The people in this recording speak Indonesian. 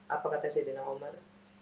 apa katanya dengan umar